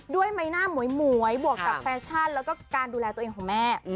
ด้วยใบหน้าหมวยบวกกับแฟชั่นแล้วก็การดูแลตัวเองของแม่